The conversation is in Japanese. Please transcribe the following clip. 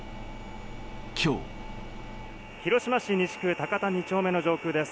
広島市西区田方２丁目の上空です。